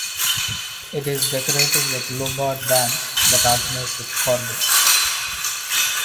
It is decorated with Lombard bands that alternate with corbels.